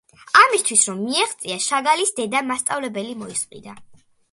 ამისთვის რომ მიეღწია, შაგალის დედამ მასწავლებელი მოისყიდა.